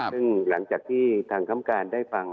ซึ่งหลังจากที่ทางคำการได้ฟัง